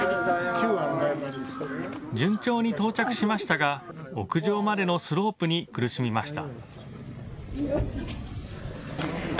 順調に到着しましたが屋上までのスロープに苦しみました。